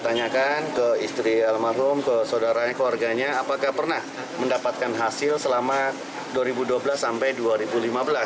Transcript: tanyakan ke istri almarhum ke saudaranya keluarganya apakah pernah mendapatkan hasil selama dua ribu dua belas sampai dua ribu lima belas